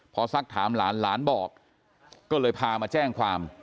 พอสักถามหลานหลานบอกก็เลยพามาแจ้งความ